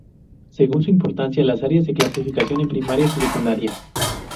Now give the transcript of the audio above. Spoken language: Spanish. Según su importancia las áreas se clasificaron en primarias y secundarias.